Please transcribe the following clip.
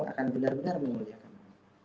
akan benar benar memuliakanmu